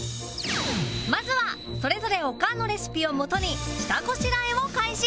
まずはそれぞれオカンのレシピをもとに下ごしらえを開始